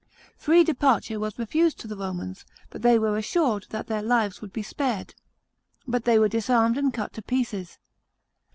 Free departure was refused to the Romans, but they were assured that their lives would be spared. But they were disarmed and cut to pieces.